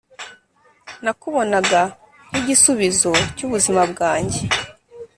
Nakubonaga nkigisubizo cy’ubuzima bwanjye